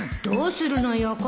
どうするのよ